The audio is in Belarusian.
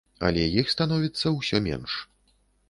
Але іх становіцца ўсё менш.